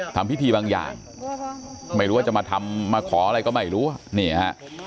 ทำพิธีบางอย่างไม่รู้ว่าจะมาทำมาขออะไรก็ไม่รู้นี่ฮะ